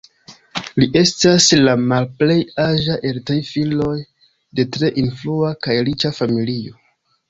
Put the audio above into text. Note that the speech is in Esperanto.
Li estas la malplej aĝa el tri filoj de tre influa kaj riĉa familio.